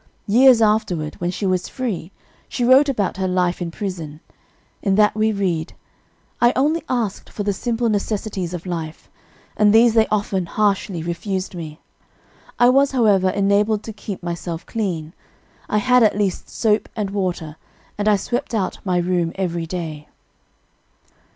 Years afterward, when she was free, she wrote about her life in prison. In that we read: "'I only asked for the simple necessities of life, and these they often harshly refused me. I was, however, enabled to keep myself clean. I had at least soap and water, and I swept out my room every day.'